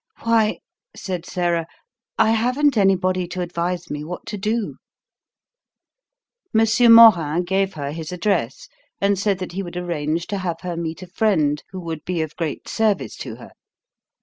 "Why," said Sarah, "I haven't anybody to advise me what to do." M. Morin gave her his address and said that he would arrange to have her meet a friend who would be of great service to her.